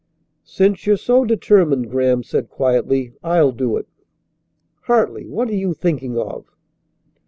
"Since you're so determined," Graham said quietly, "I'll do it." "Hartley! What are you thinking of?"